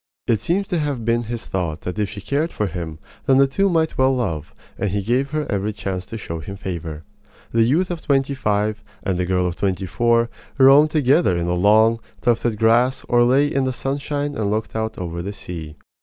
It seems to have been his thought that if she cared for him, then the two might well love; and he gave her every chance to show him favor. The youth of twenty five and the girl of twenty four roamed together in the long, tufted grass or lay in the sunshine and looked out over the sea.